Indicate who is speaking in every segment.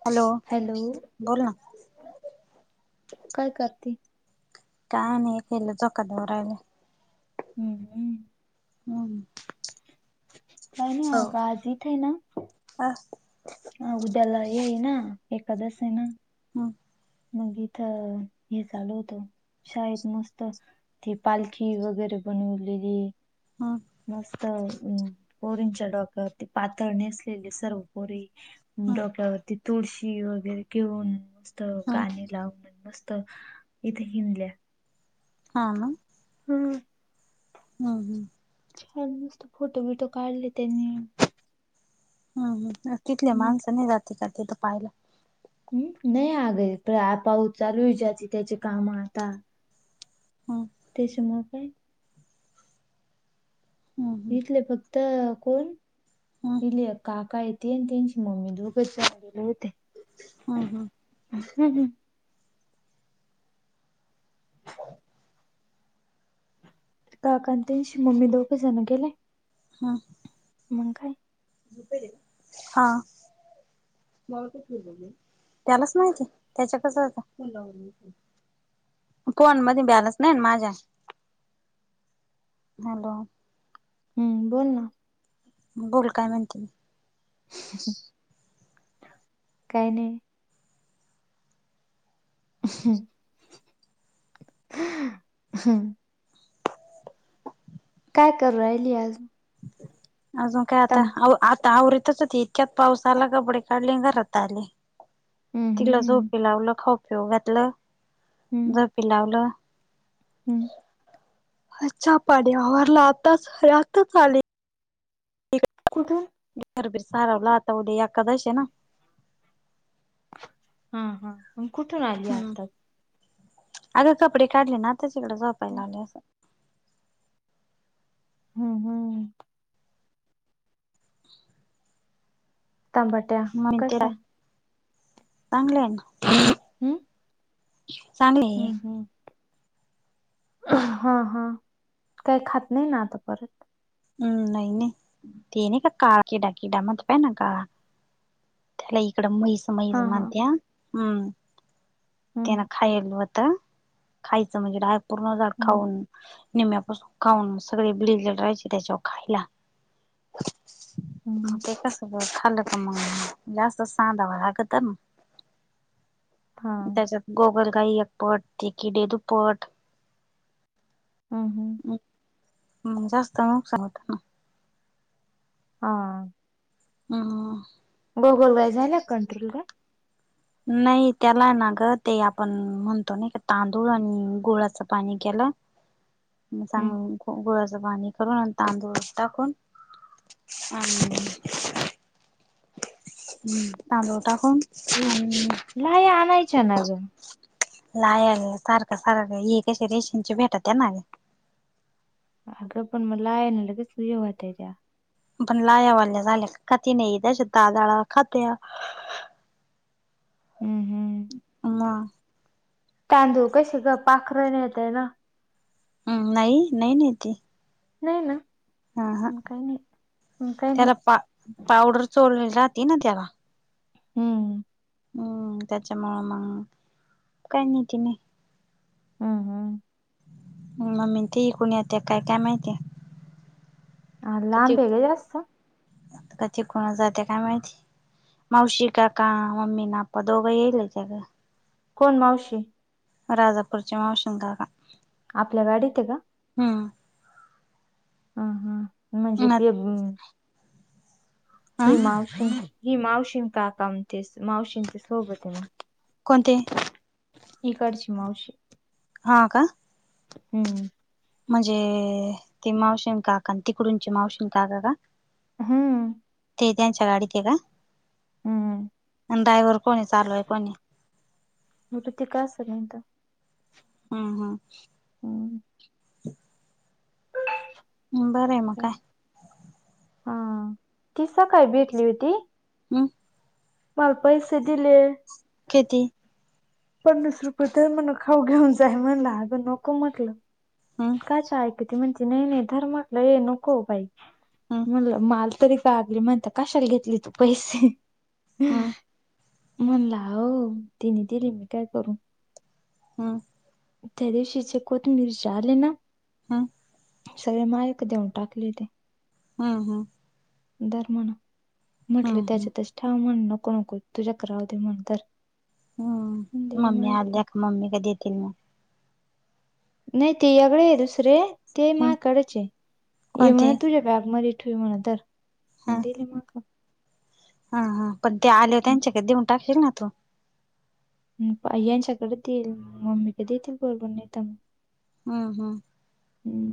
Speaker 1: Hello!
Speaker 2: Hello
Speaker 1: बोला ना.
Speaker 2: काय करते
Speaker 1: काय नाही केलो, झोका देऊन राहिलो.
Speaker 2: हम्म हम्म.
Speaker 1: हम्म
Speaker 2: काय नाही अग आज इथे ना
Speaker 1: अं
Speaker 2: हा उद्याला हेय ना, एकादस आहे ना.
Speaker 1: हम्म.
Speaker 2: मग इथ हे चालू होतं, शाळेत मस्त ती पालखी वगैरे बनवलेली.
Speaker 1: हां.
Speaker 2: मस्त पोरींच्या डोक्यावर ते पातळ नेसलेली सर्व पोरी
Speaker 1: हम्म
Speaker 2: डोक्यावर ती तुळशी वगैरे घेऊन
Speaker 1: हम्म
Speaker 2: गाणी लावून मस्त, इथे हिंडल्या.
Speaker 1: हां हां.
Speaker 2: हम्म.
Speaker 1: हां.
Speaker 2: छान मस्त फोटो बिटो काढले त्यांनी.
Speaker 1: हम्म, हम तिथले
Speaker 2: मग
Speaker 1: माणसं नाही जाते का तिथं पाहायला?
Speaker 2: हम्म, नाही आग पाऊस चालू त्याचे काम आता.
Speaker 1: हुं.
Speaker 2: त्याच्यामुळे काय
Speaker 1: हम्म
Speaker 2: इथले फक्त, कोण?
Speaker 1: हम्म
Speaker 2: [unintelligible] काकायत ति अन त्यांची मम्मी दोघच आलेले होते.
Speaker 1: हूं हूं.
Speaker 2: [unintelligible] काका न त्यांची मम्मी, दोघं जण गेले.
Speaker 1: हं!
Speaker 2: मंग काय.
Speaker 1: हा. त्यालाच माहिती, त्याच्याकडचं हाय तो. फोन लावून दि की. फोन मधी ब्यालंस नाही ना माझ्या. हॅलो.
Speaker 2: हम्म बोल ना.
Speaker 1: बोल, काय म्हणती.
Speaker 2: काय नाय. [inaudible] काय करु राह्यली आज.
Speaker 1: अजून काय आता.
Speaker 2: तम
Speaker 1: आता आवरीतच होती, इतक्यात पाऊस आला. कपडे काढले न घरात आले.
Speaker 2: हम्म,
Speaker 1: तिला
Speaker 2: हम्म,
Speaker 1: झोपी लावलं, खाऊपिऊ घातलं, झोपी लावलं.
Speaker 2: हूं.
Speaker 1: चा पाणी आवरलं आताच. हे आताच आले.
Speaker 2: कुठं?
Speaker 1: घरबीर सारावलं. आता उद्या एकादशयं ना.
Speaker 2: हां हां, मग कुठून आली
Speaker 1: हम्म
Speaker 2: आत्ता.
Speaker 1: अगं कपडे काढले ना, तेच इकडं झोपायला आली आसंन.
Speaker 2: हुं हुं हुं. तंबाट.
Speaker 1: मग तेला चांगलंय ना.
Speaker 2: ऊं?
Speaker 1: चांगले आहे
Speaker 2: हूं हूं. हा हा, काही खात नाही ना आता परत?
Speaker 1: ऊं, नाई नाई. ते नाय का काळा किडा, किडा म्हणता ना काळा. त्याला इकड मैस
Speaker 2: हा
Speaker 1: मैस
Speaker 2: हा
Speaker 1: मनत्यान. हं!
Speaker 2: हम्म
Speaker 1: त्यानं खायलं होतं. तं, खायचं म्हणजे, झाड पूर्ण झाड
Speaker 2: हम्म
Speaker 1: खाऊन निम्म्यापासून खाऊन सगळे [unintelligible] राह्यचे त्याच्यावर खायला.
Speaker 2: हम्म
Speaker 1: ते तसंखाल्लं तं मग, जास्तच सांधावं लागतं ना.
Speaker 2: हा
Speaker 1: त्याच्यात गोगलगाई एकपट ते किडे दुप्पट.
Speaker 2: ऊं!
Speaker 1: हूं, जास्त नुकसान होतं ना.
Speaker 2: हा.
Speaker 1: [inaudible]
Speaker 2: गोगलगाय झाल्या का कंट्रोल गं?
Speaker 1: नाही. त्याला ना गं, ते आपण म्हणतो नाईका, तांदूळ आणि गुळाचं पाणी केलं
Speaker 2: [inaudible]
Speaker 1: मग
Speaker 2: हम्म
Speaker 1: चांग गुळाचं पाणी करून आन तांदूळात टाकून, आन तांदुळ टाकुन
Speaker 2: ल-
Speaker 1: आणी
Speaker 2: लाया आणायच्या ना ग
Speaker 1: नाही अगं, सारखं सारख हे क रेशींची भेटत ये ना.
Speaker 2: अगं पण मला आहे ना लगे सुय होता आहे त्या.
Speaker 1: पण लायावाल्या झाल्या काती नाही त्या्याश दादाळा खातया
Speaker 2: हम्म हम्म.
Speaker 1: मग.
Speaker 2: तांदूळ कसे ग पाखरं न येत आहे ना.
Speaker 1: हम् नाही नाही नाहीेती,
Speaker 2: नाही ना.
Speaker 1: हा हा,
Speaker 2: मग काही नाही मग काही नाही
Speaker 1: त्याला पा पावडर चोळली राहते ना त्याला.
Speaker 2: हम्म.
Speaker 1: हम्म त्याच्यामुंळ मग, काय नि तिने?
Speaker 2: हा हा.
Speaker 1: मम्मी ते ईकूण येत का काय माहितीय.
Speaker 2: ह लांब ग आहे जास्त
Speaker 1: का तिकडुनच जाते काय माहिती. मावशी काका मम्मी ना आप्पा दोघं येईल त्याग!
Speaker 2: कोण मावशी?
Speaker 1: राजापुरची मावशी न काका.
Speaker 2: आपल्या गाडीत आहे का?
Speaker 1: हम्म
Speaker 2: ह हां म्हणजे ते एक ही
Speaker 1: ह
Speaker 2: मावशी, ही मावशीन काका म्हणते मावशींचे सोबत आहे.
Speaker 1: कोणते?
Speaker 2: इकडची मावशी.
Speaker 1: हा का
Speaker 2: हम्म.
Speaker 1: म्हणजे ते मावशीन काका, तिकडुनचे मावशीन काका का!
Speaker 2: हम्म.
Speaker 1: ते त्यांच्या गाडीत आहे
Speaker 2: हम्म
Speaker 1: का, ड्रायव्हर कोण चालवाय कोणी आहे.
Speaker 2: मग तु ते काय असतय माहितय काय
Speaker 1: हा हा.
Speaker 2: हो. ह
Speaker 1: बरं आहे मग काय!
Speaker 2: हा, ती सकाळी भेटली होती.
Speaker 1: हम्म.
Speaker 2: मला पैसे दिले.
Speaker 1: किती?
Speaker 2: पन्नास रुपये तर मण खाऊ घेऊन जाय म्हणला अग नको म्हटलं,
Speaker 1: हम्म
Speaker 2: कायच किती म्हण नाही नाही धर् म्हटलं ये नको बाई
Speaker 1: हम्म
Speaker 2: म्हटलं माल तरी गागली म्हणती कशाला घेतली तू पैसे!
Speaker 1: हम्म
Speaker 2: मी म्हणलं अओ, तिने दिली मी काय करू!
Speaker 1: हम्म
Speaker 2: त्या दिवशीचे कोथिंबीरचे आले ना.
Speaker 1: हा.
Speaker 2: सगळे मायक देऊन टाकली ते.
Speaker 1: हा हा.
Speaker 2: दर म्हणा, म्हटले
Speaker 1: हम्म हम्म
Speaker 2: त्याच्यातच ठेव म्हण नको नको तुझ्याक्रवध म्हण तर.
Speaker 1: हम्म
Speaker 2: दिले
Speaker 1: मम्मी आल्या
Speaker 2: माझ्याकडे
Speaker 1: का मम्मी काधी येतील मग.
Speaker 2: नाही तेझाकडे आहे दुसरे ते मा
Speaker 1: हम्म
Speaker 2: कडेच आहे ये
Speaker 1: कोणते
Speaker 2: म्हण तुझ्या बॅगमध्ये ठेव म्हणा तर,
Speaker 1: हा
Speaker 2: दिली मग.
Speaker 1: हा हा पण ते आले
Speaker 2: मग
Speaker 1: त्यांच्याकडे देऊन टाकशील ना तू.
Speaker 2: आई यांंच्याकडे ठेईल मम्मी कधी येतील बोलबण नाही मग.
Speaker 1: ह हा.
Speaker 2: हम्.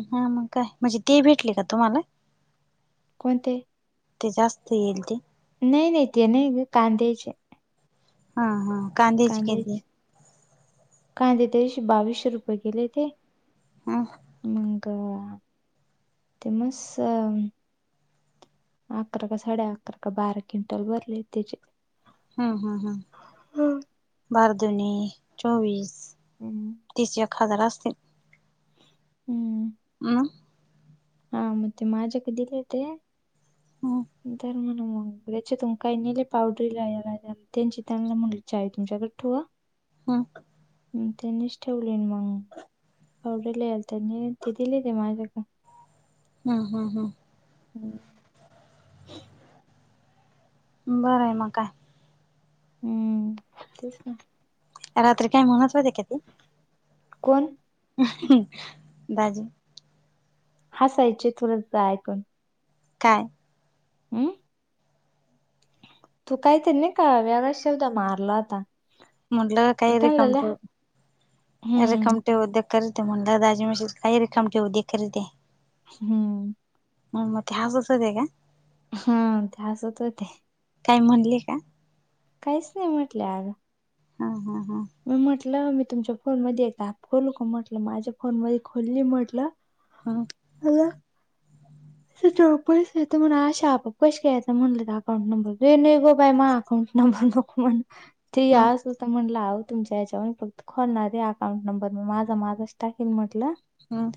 Speaker 1: हा मग काय? म्हणजे ते भेटले का तुम्हाला?
Speaker 2: कोण ते?
Speaker 1: ते जास्त येईल ती.
Speaker 2: नाही नाही ते नाही ग कांद्याचे.
Speaker 1: हा हा कांद्याचे किती?
Speaker 2: कांदे त्याशी बावीसशे रुपये केले ते.
Speaker 1: हा.
Speaker 2: मग, ते मस अ अकरा का साडे अकरा का बारा क्विंटल भरले त्याचे.
Speaker 1: हम्म हम्म हम्म, बार दुनी चोवीस.
Speaker 2: हम्म.
Speaker 1: तीस एक हजार असतील,
Speaker 2: हम्म.
Speaker 1: हम्म.
Speaker 2: हा मग ते माझ्याक दिले ते,
Speaker 1: हम्म
Speaker 2: तर म्हण मग. त्याच्यातून काय नेले पावडरीला याला त्यांचे त्यांच्याकडे चावी तुमच्याकडे ठेवा.
Speaker 1: हम्म.
Speaker 2: त्यांनीच ठेवले मग. पावडर लय यालत म्हणून ते दिले माझ्याकडं.
Speaker 1: हम्म हम्म हम्म.
Speaker 2: हम्म.
Speaker 1: बरं आहे मग का?
Speaker 2: हम्म तेच ना.
Speaker 1: रात्री काय म्हणत होते का तू?
Speaker 2: कोण?
Speaker 1: दाजी.
Speaker 2: हासायचे थ्रू ऐकून.
Speaker 1: काय?
Speaker 2: हम्म. तू काहीतरी नाही का वेगळाच शब्द मारला होता.
Speaker 1: म्हंटलं काही
Speaker 2: त्यांना
Speaker 1: रिकम
Speaker 2: लय
Speaker 1: ठेव,
Speaker 2: हम्म
Speaker 1: रिकम ठेव दे. तर ते म्हण दाजी म्ह काही रिकाम ठेवते करीते.
Speaker 2: हम्म.
Speaker 1: मग मग ते हसत होते का?
Speaker 2: हम्म ते हसत होते.
Speaker 1: काय म्हणले का?
Speaker 2: काहीच नाही म्हटल्या अग.
Speaker 1: हा हा हा.
Speaker 2: मी म्हटलं, मी तुमच्या फोन मध्ये एकदा ॲप खोलू का म्हटलं? माझ्या फोन मध्ये खोलले म्हटलं.
Speaker 1: हा.
Speaker 2: अग याच्यावर पैसे येता म्हणा असे, आपोआप कसे येता तुझा अकाउंट नंबर दे ये नाही ग बाई मा. अकाउंट नंबर नको म्हटलं,, ते आ
Speaker 1: हम्म
Speaker 2: अस होत म्हणलात. तुमच्या याच्यावर फक्त खोलणार आहे, अकाउंट नंबर म माझा माझाच टाकेल म्हटलं.
Speaker 1: हां.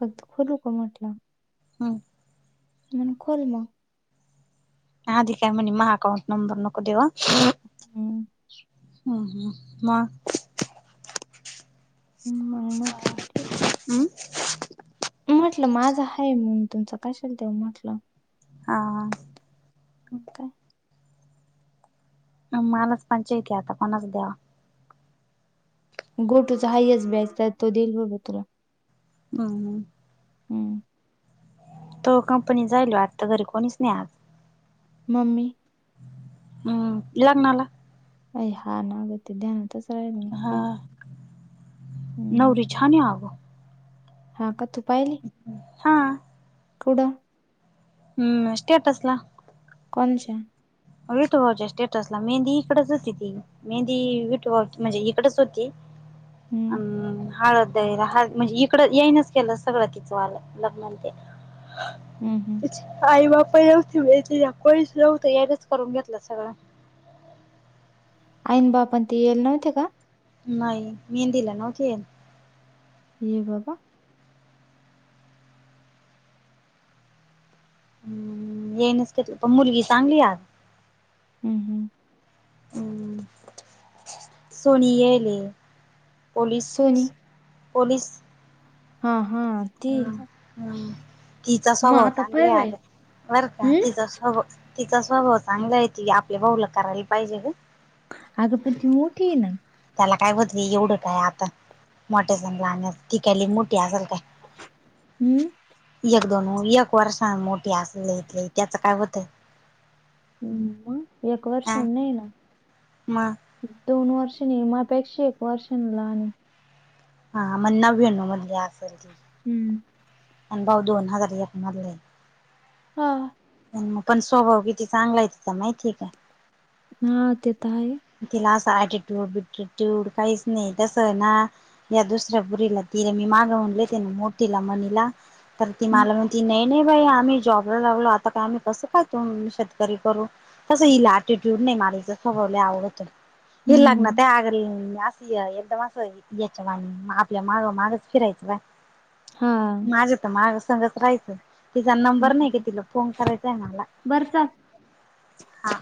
Speaker 2: फक्त खोलू का म्हटलं?
Speaker 1: हम्म
Speaker 2: म्हणे खोल म.
Speaker 1: आधी काय म्हणे, माया अकाउंट नंबर नको देऊ हा.
Speaker 2: हम्म
Speaker 1: हम्म हम्म म
Speaker 2: मग म्हटलं ठीक आहे.
Speaker 1: हम्म
Speaker 2: मी म्हटलं माझं आहे, म्हणून तुमचं कशाल देऊ म्हटलं.
Speaker 1: हा हा.
Speaker 2: म काय
Speaker 1: मालाच पंचाईत आहे आता कोनाच द्यावा?
Speaker 2: गोटूचा हायस्ट बॅच तो देईल बाबा तुला.
Speaker 1: हां.
Speaker 2: हम्म.
Speaker 1: तो कंपनी जाईल आता घरी कोणीच नाही आज.
Speaker 2: मम्मी?
Speaker 1: हम्म लग्नाला.
Speaker 2: बाई हा ना, ते ध्यानातच नाही राहिला
Speaker 1: हा
Speaker 2: पाय.
Speaker 1: नवरी छान आहे आगं.
Speaker 2: हा का तू पाहिली?
Speaker 1: हां.
Speaker 2: कुढं
Speaker 1: हम्म सेटसला.
Speaker 2: कोणच्या?
Speaker 1: अ विटुभाऊज्या स्टेटसला, मेहंदी इकडेच होती ती. मेहंदी विटुभाऊची म्हणजे इकडच होती,,
Speaker 2: हम्म
Speaker 1: अं हळद द्यायला, हळद म्हणजे इकड येईनच केलं सगळं तिचंवालं लग्नन ते.
Speaker 2: हम् हम्म
Speaker 1: आई बाप ई नव्हते माहिती का, कोनिच नव्हतं, यायनच करून घेतलं सगळं.
Speaker 2: आईन बाप ते येईला नव्हते का?
Speaker 1: नाही नाही, मेंहदीला नव्हते येईल.
Speaker 2: आणी बाबा
Speaker 1: हम्म येईनस केलं, पण मुलगी चांगली य आगं.
Speaker 2: हम्म
Speaker 1: हम्म सोनी येईले. पोलिस
Speaker 2: सोनी
Speaker 1: पोलिस
Speaker 2: हा हा. ती
Speaker 1: हम् हम् तिचा
Speaker 2: मग
Speaker 1: स्वभाव
Speaker 2: आता
Speaker 1: चांगला
Speaker 2: पाय
Speaker 1: आहे
Speaker 2: बाय
Speaker 1: आग, बरं का
Speaker 2: हम्म
Speaker 1: तिचा स्वभाव तिचा स्वभाव चांगला आहे ति, आपल्या भाऊला करायला पाहिजे गं.
Speaker 2: आग पण ती मोठी आहे ना.
Speaker 1: त्याला काय होतय एवढं काय आता मोठ्या चन लाहानयाच, ती काय लय मोठी असाल काय.
Speaker 2: हम्म
Speaker 1: एक दोन, एक वर्षान मोठीे असल लय त लय त्याचं काय होतय.
Speaker 2: हम्म एक
Speaker 1: अ
Speaker 2: वर्षान नाही ना.
Speaker 1: मग
Speaker 2: दोन वर्ष नि, माया पेक्षा एक वर्ष नि लहान आहे.
Speaker 1: हा मग नव्यानव मधली असल ती.
Speaker 2: हम्म.
Speaker 1: मग भाऊ दोन हजार एक मधलाय.
Speaker 2: हां.
Speaker 1: पण मग स्वभाव किती चांगला आहे तिचा माहिते काय?
Speaker 2: हा ते तर आहे.
Speaker 1: तिला असं ऍटिट्यूड बिटिट्यूड काहीच नाही, तसं ना या दुसऱ्या पोरीला, तीई मी माग म्हणले त्याने मोठीला महनला तर ती
Speaker 2: हम्म
Speaker 1: मला म्हणती, नाही नाही बाई आम्ही जॉबला लागलो, आता का आम्ही कसं काय तो शेतकरी करून घेऊ. कसं हिल अटिट्यूड नाही मला ईचा स्वभाव लय आवडतो, हि लागना
Speaker 2: हम्म.
Speaker 1: ते आस एकदम असं याच्या आणि, आपल्या माग मागच फिरायची बाई.
Speaker 2: हां.
Speaker 1: माझ तर, माझ संघच राहायचं, तिचा नंबर नाही का तिला फोन करायचाय मला.
Speaker 2: बर चल.
Speaker 1: हा